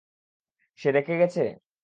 সে রেখে গেছে?